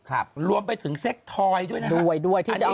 ครับรวมไปถึงเสกทอยด้วยนะครับ